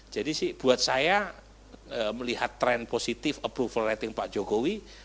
jadi buat saya melihat tren positif approval rating pak jokowi